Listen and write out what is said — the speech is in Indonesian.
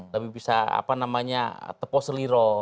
lebih bisa apa namanya tepo seliro